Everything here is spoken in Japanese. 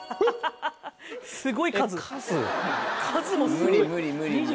無理無理無理無理。